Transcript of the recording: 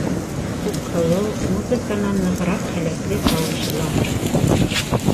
Күкһылыу музыканан нығыраҡ һәләтле, тауышы ла...